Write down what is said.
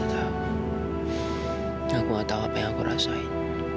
ya udah aku nggak tau apa yang aku rasain